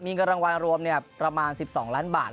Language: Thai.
มีเงินรางวัลรวมประมาณ๑๒ล้านบาท